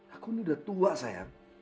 aku ini udah tua saya